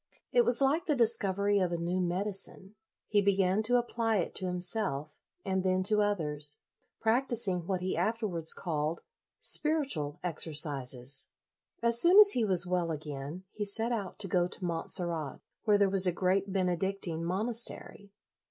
It was like the discovery of a new medicine. He began to apply it to himself, and then to others, practising what he afterwards called " spiritual exercises. '! As soon as he was well again, he set 'out to go to Montserrat, where there was a great Benedictine monastery.